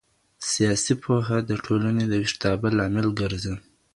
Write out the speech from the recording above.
سياسي پوهه د ټولني د ويښتابه لامل ګرځي.